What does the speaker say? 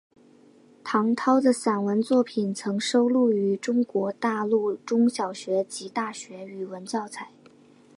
唐弢的散文作品曾收录于中国大陆中小学及大学语文教材。